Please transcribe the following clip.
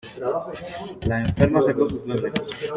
La enferma secó sus lágrimas.